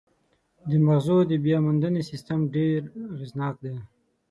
د مغزو د بیاموندنې سیستم ډېر اغېزناک دی.